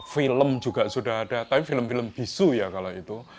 film juga sudah ada tapi film film bisu ya kalau itu